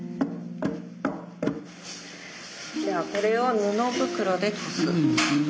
じゃあこれを布袋でこす。